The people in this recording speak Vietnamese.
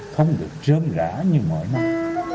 không được rơm rã như mọi năm